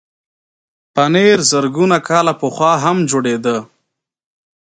پنېر زرګونه کاله پخوا هم جوړېده.